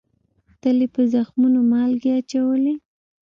تل یې په زخمونو مالگې اچولې